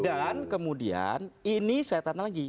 dan kemudian ini saya tanda lagi